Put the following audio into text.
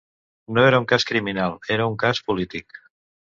No era un cas criminal; era un cas polític.